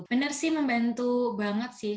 bener sih membantu banget sih